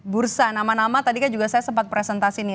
bursa nama nama tadi kan juga saya sempat presentasi nih